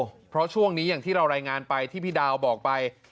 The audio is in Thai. เพราะช่วงนี้อย่างที่เรารายงานไปที่พี่ดาวบอกไป